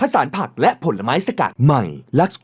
ถ้าทำอีกนะฉันเลิกคบแกจริงจริงด้วย